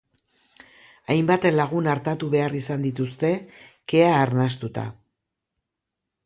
Hainbat lagun artatu behar izan dituzte, kea arnastuta.